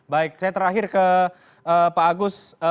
baik saya terakhir ke pak agus